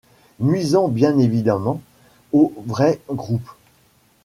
Nuisant bien évidemment au vrai groupe.